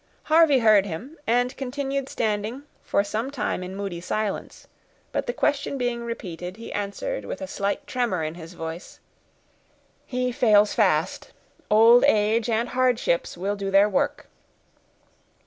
Harvey heard him, and continued standing for some time in moody silence; but the question being repeated, he answered with a slight tremor in his voice,— "He fails fast; old age and hardships will do their work."